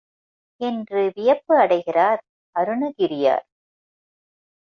என்று வியப்பு அடைகிறார் அருணகிரியார்.